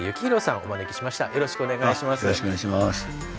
よろしくお願いします。